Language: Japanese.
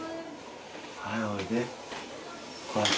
はいおいで。